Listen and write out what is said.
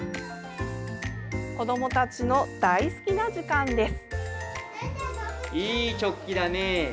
子どもたちの大好きな時間です。